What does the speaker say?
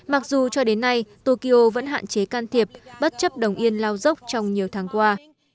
mặc dù cho đến nay tokyo vẫn hạn chế can thiệp bất chấp đồng yên lao dốc trong nhiều tháng qua